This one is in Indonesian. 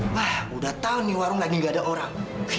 wah udah tahu nih warung lagi gak ada orang